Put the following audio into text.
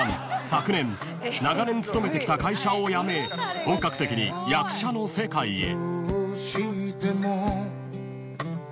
昨年長年勤めてきた会社を辞め本格的に役者の世界へ］